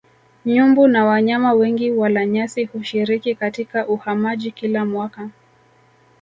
Nyumbu na wanyama wengi walanyasi hushiriki katika uhamaji kila mwaka